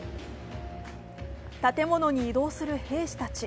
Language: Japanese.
建物に移動する兵士たち。